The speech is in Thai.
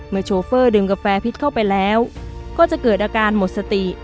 โชเฟอร์ดื่มกาแฟพิษเข้าไปแล้วก็จะเกิดอาการหมดสติ